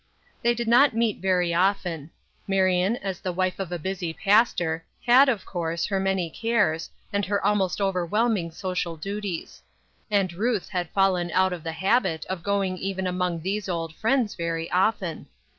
They did not meet very often. Marion, as the wife of a busy pastor, had, of course, her many cares, and her almost overwhelming social duties ; and Ruth had fallen out of the habit of going even among these old friends very often.